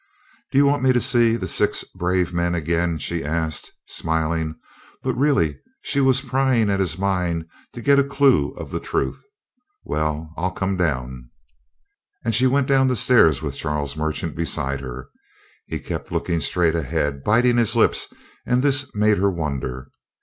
"Do you want me to see the six brave men again?" she asked, smiling, but really she was prying at his mind to get a clew of the truth. "Well, I'll come down." And she went down the stairs with Charles Merchant beside her; he kept looking straight ahead, biting his lips, and this made her wonder.